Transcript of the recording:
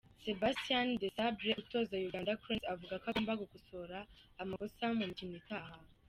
Sebastian Desabre utoza Uganda Cranes avuga ko agomba gukosora amakosa mu mikino itaha .